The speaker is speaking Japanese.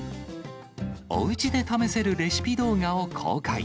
おうちで試せるレシピ動画を公開。